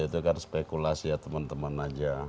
itu kan spekulasi ya teman teman aja